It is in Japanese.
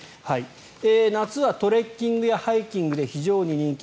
夏はトレッキングやハイキングで人気。